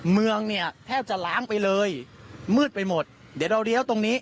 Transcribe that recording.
เมืองเนี่ยแทบจะล้างไปเลยมืดไปหมดเดี๋ยวเราเลี้ยวตรงนี้